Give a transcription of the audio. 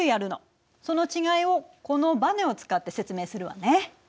その違いをこのばねを使って説明するわね。